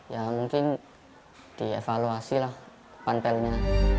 ya mungkin dievaluasi lah panpelnya